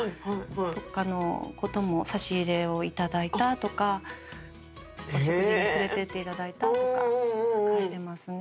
差し入れを頂いたとかお食事に連れてっていただいたとか書いてますね。